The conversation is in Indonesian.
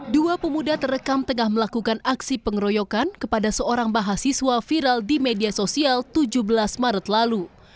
dua pemuda terekam tengah melakukan aksi pengeroyokan kepada seorang mahasiswa viral di media sosial tujuh belas maret lalu